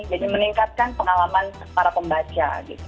jadi meningkatkan pengalaman para pembaca